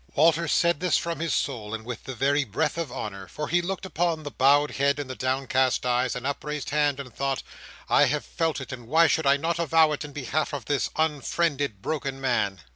Walter said this from his soul, and with the very breath of honour. For he looked upon the bowed head, and the downcast eyes, and upraised hand, and thought, "I have felt it; and why should I not avow it in behalf of this unfriended, broken man!"